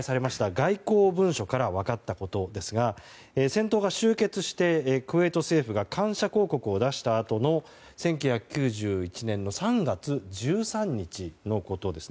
外交文書から分かったことですが戦闘が終結してクウェート政府が感謝広告を出したあとの１９９１年の３月１３日のことです。